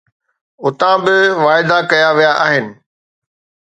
اتان به واعدا ڪيا ويا آهن.